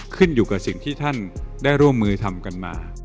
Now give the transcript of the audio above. ขึ้นอยู่กับสิ่งที่ท่านได้ร่วมมือทำกันมา